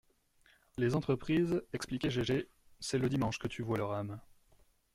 Les entreprises, expliquait Gégé, c’est le dimanche que tu vois leur âme